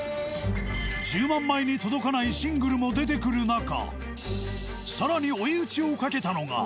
１０万枚に届かないシングルも出てくる中さらに追い打ちをかけたのが。